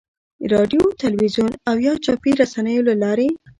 رادیو، تلویزیون او یا چاپي رسنیو له لارې.